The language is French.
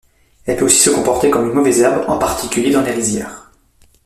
Elle peut aussi se comporter comme une mauvaise herbe, en particulier dans les rizières.